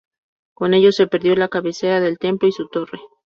Con ello se perdió la cabecera del templo y su torre.